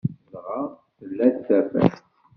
Dɣa tella-d tafat.